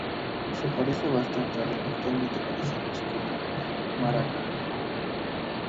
Se parece bastante a lo que actualmente conocemos como "maraca".